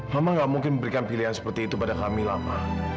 mama gak mungkin memberikan pilihan seperti itu pada kamila ma